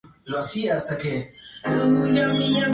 El vino sólo se filtra ligeramente.